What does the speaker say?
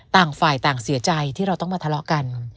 ต่างฝ่ายต่างเสียใจที่เราต้องมาทะเลาะกัน